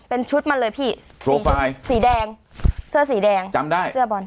เป็นชุดมันเลยพี่โปรไฟล์สีแดงเสื้อสีแดงจำได้เสื้อบอล